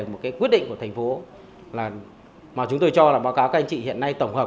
một cái quyết định của thành phố là mà chúng tôi cho là báo cáo các anh chị hiện nay tổng hợp